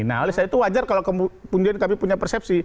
nah oleh sebab itu wajar kalau kemudian kami punya persepsi